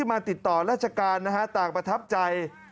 มาติดต่อราชกานแต่ประทับใจ